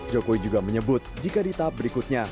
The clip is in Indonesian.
jokowi juga menyebut jika di tahap berikutnya